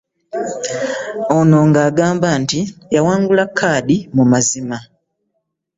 Ono ng'agamba nti yawangula kkaadi mu mazima